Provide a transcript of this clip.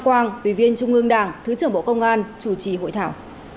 quang ủy viên trung ương đảng thứ trưởng bộ công an chủ trì hội thảo